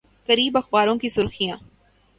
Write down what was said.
قریب اخباروں کی سرخیاں